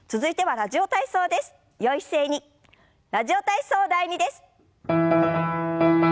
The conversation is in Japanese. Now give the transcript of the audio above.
「ラジオ体操第２」です。